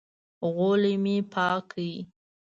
غولی مې پاک کړ.